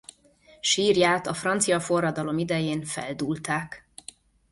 Sírját a francia forradalom idején feldúlták.